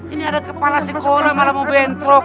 ini ada kepala sekolah malah mau bentrok